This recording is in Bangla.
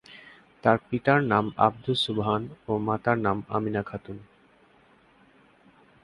তার পিতার নাম আবদুস সোবহান ও মাতার নাম আমিনা খাতুন।